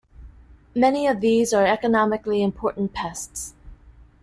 Many of these are economically important pests.